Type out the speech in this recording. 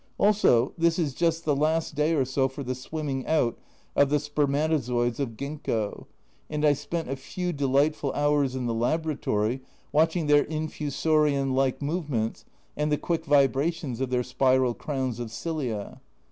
Also, this is just the last day or so for the swimming out of the spermatozoids of Ginkgo, and I spent a few delightful hours in the Laboratory watching their infusorian like movements and the quick vibrations of their spiral crowns of cilia.